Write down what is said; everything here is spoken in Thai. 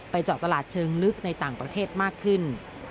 เจาะตลาดเชิงลึกในต่างประเทศมากขึ้น